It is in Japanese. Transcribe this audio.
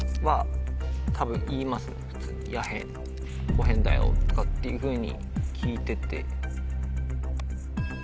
「『やへん』『こへん』だよ」とかっていうふうに聞いてて。